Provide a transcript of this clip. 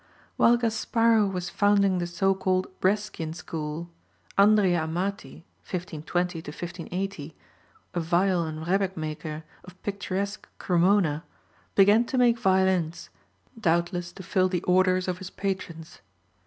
While Gasparo was founding the so called Brescian school, Andrea Amati (1520 1580), a viol and rebec maker of picturesque Cremona, began to make violins, doubtless to fill the orders of his patrons.